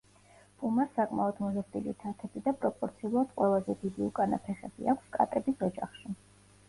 პუმას საკმაოდ მოზრდილი თათები და პროპორციულად ყველაზე დიდი უკანა ფეხები აქვს კატების ოჯახში.